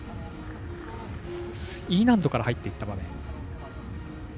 Ｅ難度から入っていった場面。